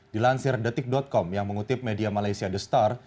dilansir detik com yang mengutip media malaysia the star